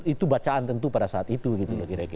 itu bacaan tentu pada saat itu gitu